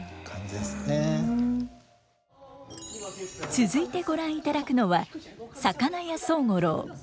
続いてはご覧いただくのは「魚屋宗五郎」。